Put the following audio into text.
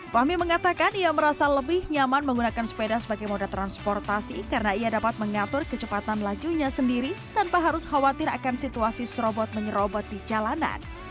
fahmi mengatakan ia merasa lebih nyaman menggunakan sepeda sebagai mode transportasi karena ia dapat mengatur kecepatan lajunya sendiri tanpa harus khawatir akan situasi serobot menyerobot di jalanan